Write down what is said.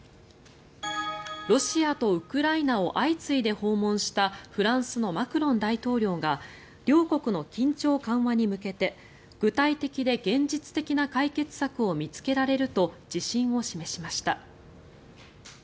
ロシアとウクライナを相次いで訪問したフランスのマクロン大統領が両国の緊張緩和に向けて具体的で現実的な解決策を見つけられると自信を示しました。